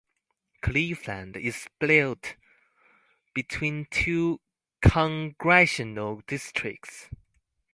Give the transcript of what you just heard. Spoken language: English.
Cleveland is split between two congressional districts.